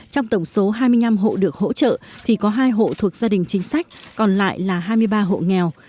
trong tổng số hai mươi năm hộ được hỗ trợ thì có hai hộ thuộc gia đình chính sách còn lại là hai mươi ba hộ nghèo